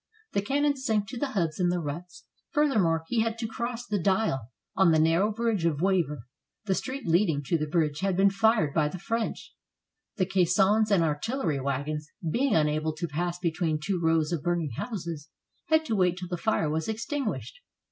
The cannon sank to the hubs in the ruts. Furthermore, he had to cross the Dyle on the narrow bridge of Wavre; the street leading to the bridge had been fired by the French ; the caissons and artillery wagons, being unable to pass between two rows of burn ing houses, had to wait till the fire was extinguished.